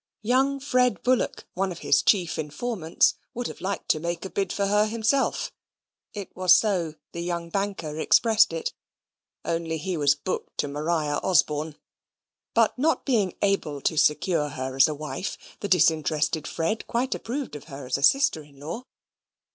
Young Fred Bullock, one of his chief informants, would have liked to make a bid for her himself (it was so the young banker expressed it), only he was booked to Maria Osborne. But not being able to secure her as a wife, the disinterested Fred quite approved of her as a sister in law.